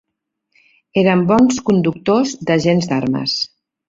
Eren bons conduïdors de gents d'armes.